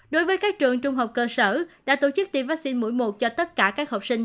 đối với các trường trung học cơ sở đã tổ chức tiêm vaccine mũi một cho tất cả các học sinh